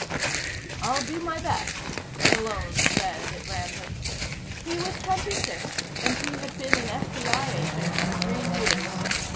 "I'll do my best," Malone said at random. He was twenty six, and he had been an FBI agent for three years.